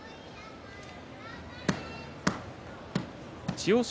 千代翔